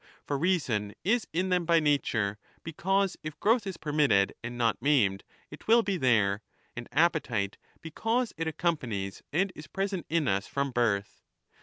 For reason is in them by nature, because if growth is permitted and not 30 maimed, it will be there ; and appetite, because it accom panies and is present in us from birth.